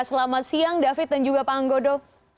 selamat siang david dan juga pak anggodo